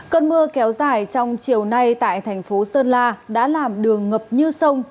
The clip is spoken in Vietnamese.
cơn mưa kéo dài trong chiều nay tại tp sơn la đã làm đường ngập như sông